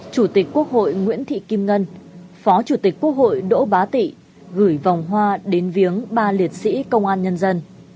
chủ tịch quốc hội nguyễn thị kim ngân phó chủ tịch quốc hội đỗ bá tị gửi vòng hoa đến viếng ba liệt sĩ công an nhân dân